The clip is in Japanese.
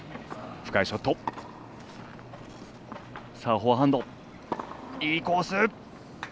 フォアハンドいいコース！